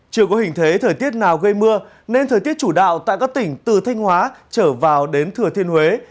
chưa có hình thế thời tiết nào gây mưa nên thời tiết chủ đạo tại các tỉnh từ thanh hóa trở vào đến thừa thiên huế